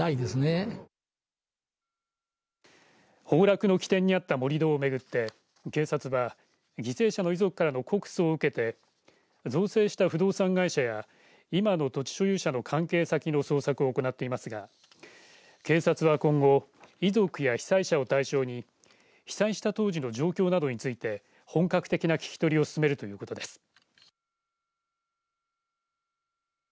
崩落の起点にあった盛り土をめぐって警察は犠牲者の遺族からの告訴を受けて造成した不動産会社や今の土地所有者の関係先の捜索を行っていますが警察は今後遺族や被災者を対象に被災した当時の状況などについて本格的な聞き取りを進めるということです。